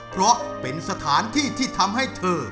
เพราะเป็นสถานที่ที่ทำให้เธอ